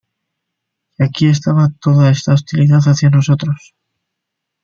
Y aquí estaba toda esta hostilidad hacia nosotros.